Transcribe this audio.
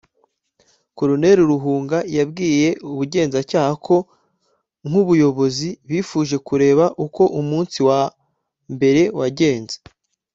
Col Ruhunga yabwiye abagenzacyaha ko nk’ubuyobozi bifuje kureba uko umunsi wa mbere wagenze